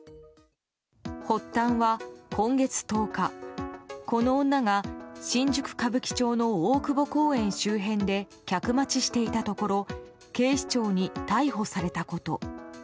発端は今月１０日、この女が新宿・歌舞伎町の大久保公園周辺で客待ちしていたところ警視庁に逮捕されたこと。